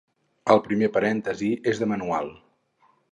El primer parèntesi és de manual.